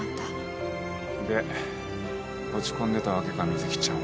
で落ち込んでたわけか瑞稀ちゃんは。